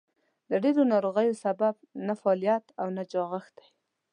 د ډېرو ناروغیو سبب نهفعاليت او چاغښت دئ.